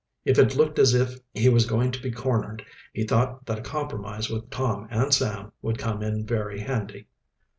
If it looked as if he was going to be cornered, he thought that a compromise with Tom and Sam would come in very handy.